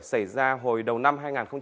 xảy ra hồi đầu năm hai nghìn hai mươi ba